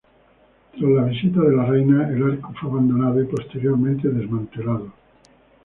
Tras la visita de la reina, el arco fue abandonado y posteriormente desmantelado.